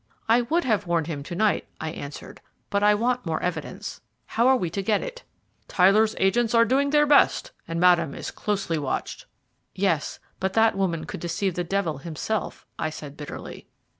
"I would have warned him to night," I answered, "but I want more evidence. How are we to get it?" "Tyler's agents are doing their best, and Madame is closely watched." "Yes, but that woman could deceive the devil himself," I said bitterly.